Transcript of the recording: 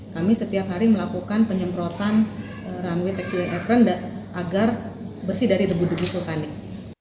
kami setiap hari melakukan penyemprotan runway tekswiran agar bersih dari debu debu vulkanik